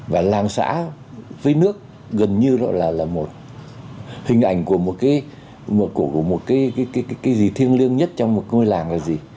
và làng xã với nước gần như là hình ảnh của một cái thiêng lương nhất trong một ngôi làng là gì